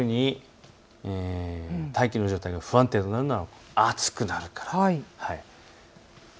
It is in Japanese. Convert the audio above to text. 大気の状態が不安定というのは暑くなるからです。